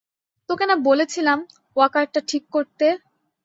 তোকে না বলেছিলাম ওয়াকারটা ঠিক করতে?